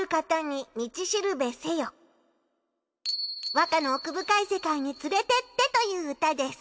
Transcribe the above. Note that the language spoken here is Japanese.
和歌の奥深い世界に連れてってという歌です。